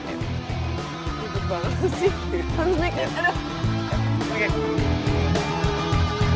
ibut banget sih